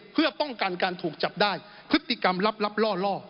เพื่อป้องกันการถูกจับได้พฤติกรรมลับล่อล่อ